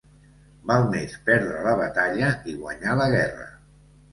Val més perdre la batalla, i guanyar la guerra.